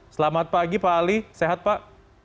selamat pagi pak ali sehat pak